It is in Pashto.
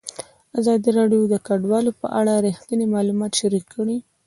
ازادي راډیو د کډوال په اړه رښتیني معلومات شریک کړي.